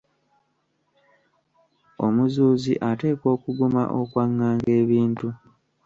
Omuzuuzi ateekwa okuguma okwanganga ebintu.